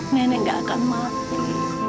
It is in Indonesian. nenek gak akan mati